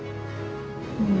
うん。